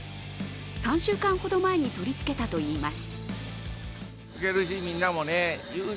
３週間ほど前に取り付けたといいます。